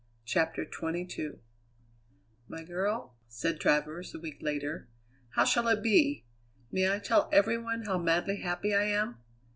CHAPTER XXII "My girl," said Travers a week later, "how shall it be? May I tell every one how madly happy I am?